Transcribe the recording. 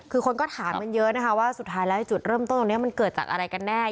คือคนก็ถามกันเยอะนะคะว่าสุดท้ายแล้วจุดเริ่มต้นตรงนี้มันเกิดจากอะไรกันแน่